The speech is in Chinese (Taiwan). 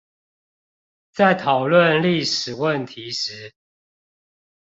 在討論歷史問題時